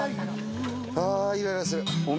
ああイライラする。